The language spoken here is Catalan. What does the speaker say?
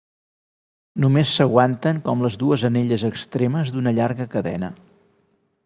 Només s'aguanten com les dues anelles extremes d'una llarga cadena.